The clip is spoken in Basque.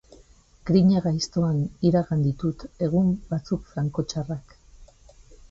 Grina gaiztoan iragan ditut egun batzuk franko txarrak.